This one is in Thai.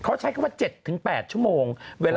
เขาใช้คำว่า๗๘ชั่วโมง